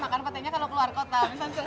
makan petai nya kalau keluar kota